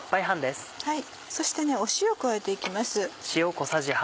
そして塩を加えて行きます。